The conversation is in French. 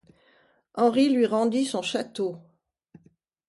Henri lui rendit son château.